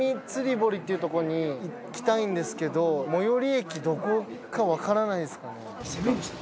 ぼりっていうとこに行きたいんですけど最寄り駅どこかわからないですかね？